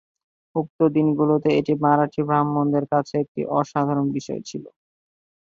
উক্ত দিনগুলোতে এটি মারাঠি ব্রাহ্মণদের কাছে এক অসাধারণ বিষয় ছিল।